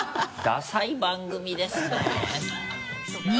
ダサい番組ですね。